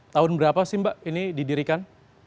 tahun berapa sih mbak ini didirikan